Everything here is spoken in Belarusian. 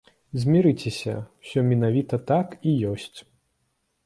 Змірыцеся, усё менавіта так і ёсць.